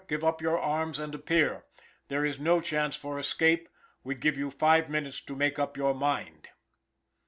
Give up your arms and appear. There is no chance for escape. We give you five minutes to make up your mind."